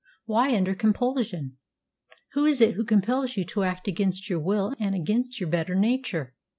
Why under compulsion? Who is it who compels you to act against your will and against your better nature?